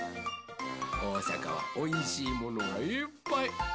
おおさかはおいしいものがいっぱい。